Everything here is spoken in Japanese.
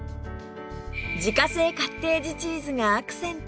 自家製カッテージチーズがアクセント